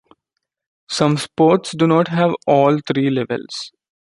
Some sports do not have all three levels.